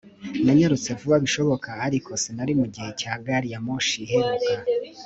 nanyarutse vuba bishoboka, ariko sinari mugihe cya gari ya moshi iheruka